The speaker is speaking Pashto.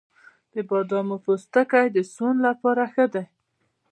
د بادامو پوستکی د سون لپاره ښه دی؟